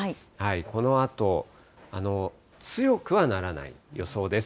このあと、強くはならない予想です。